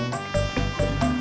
mas aja bang